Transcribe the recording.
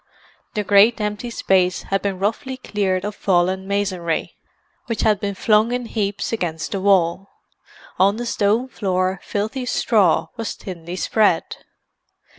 The great empty space had been roughly cleared of fallen masonry, which had been flung in heaps against the wall; on the stone floor filthy straw was thinly spread.